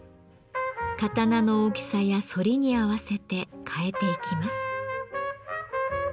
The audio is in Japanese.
刀の大きさや反りに合わせて変えていきます。